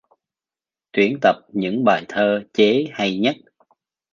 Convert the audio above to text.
Tuyển tập những bài thơ chế hay nhất